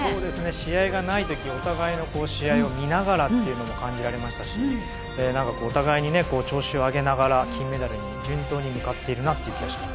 試合がない時お互いの試合を見ながらというのも感じられましたしお互いに調子を上げながら金メダルに順当に向かっているなという気がします。